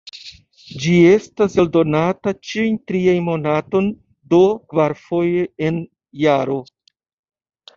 Ĝi estas eldonata ĉiun trian monaton, do kvarfoje en jaro.